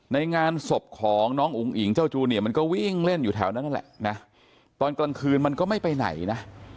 ในงานศพของน้องอุ๋งอิ๋งเจ้าจูเนียมันก็วิ่งเล่นอยู่แถวนั้นนั่นแหละนะตอนกลางคืนมันก็ไม่ไปไหนนะ